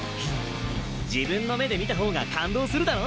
自分の目で見た方が感動するだろ？